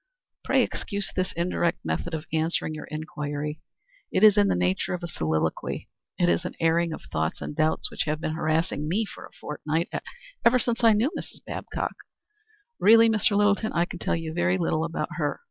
Pray excuse this indirect method of answering your inquiry; it is in the nature of a soliloquy; it is an airing of thoughts and doubts which have been harassing me for a fortnight ever since I knew Mrs. Babcock. Really, Mr. Littleton, I can tell you very little about her.